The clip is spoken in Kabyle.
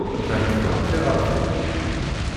Trekbeḍ tiɣaltin.